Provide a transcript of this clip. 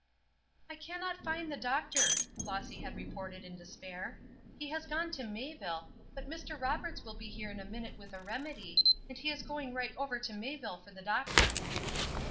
"I can not find the doctor," Flossy had reported in despair. "He has gone to Mayville, but Mr. Roberts will be here in a minute with a remedy, and he is going right over to Mayville for the doctor."